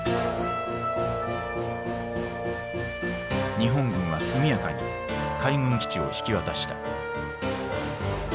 日本軍は速やかに海軍基地を引き渡した。